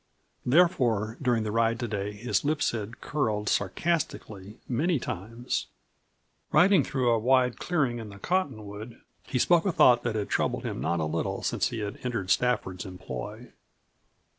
Therefore, during the ride today, his lips had curled sarcastically many times. Riding through a wide clearing in the cottonwood, he spoke a thought that had troubled him not a little since he had entered Stafford's employ.